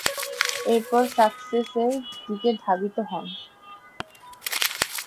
এরপর, সাসেক্সের দিকে ধাবিত হন।